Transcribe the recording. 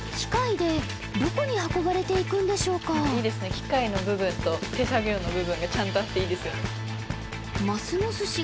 機械の部分と手作業の部分がちゃんとあっていいですよね